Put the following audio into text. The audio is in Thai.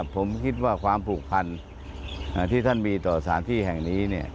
ผมคิดว่าความผูกพันที่ท่านมีต่อสถานที่แห่งนี้